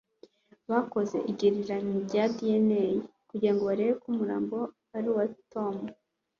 Bakoze igereranya rya ADN kugirango barebe niba umurambo ari uwa Tom